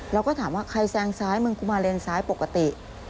เราก็ถามว่าใครแซงซ้ายมึงกูมาเลนซ้ายปกติ